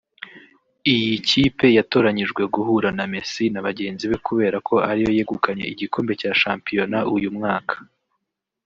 Iyi kipe yatoranyijwe guhura na Messi na bagenzi be kubera ko ariyo yegukanye igikombe cya shampiyona uyu mwaka